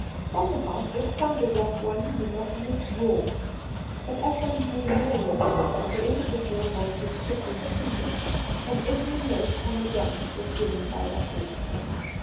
From the house it sounded like one monotonous roar, but as one drew nearer the river the indi vidual voices could be distinguished, and every note on the gamut was given by that orchestra.